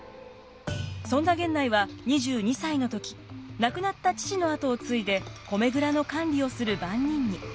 そんな源内は２２歳の時亡くなった父の跡を継いで米蔵の管理をする番人に。